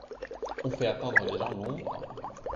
On fait attendre les gens longtemps.